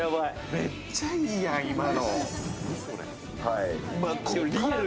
めっちゃいいやん、今の。